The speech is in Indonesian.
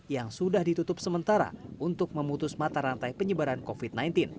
yang sudah ditutup sementara untuk memutus mata rantai penyebaran covid sembilan belas